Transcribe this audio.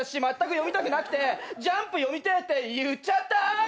まったく読みたくなくて『ジャンプ』読みてえって言っちゃったぁ！